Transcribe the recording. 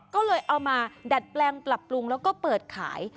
ก็เลยเอามาดัดแปลงปรับปรุงแล้วก็เปิดขาย